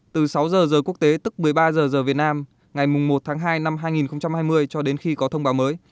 từ sáu giờ giờ giờ quốc tế tức một mươi ba h giờ việt nam ngày một tháng hai năm hai nghìn hai mươi cho đến khi có thông báo mới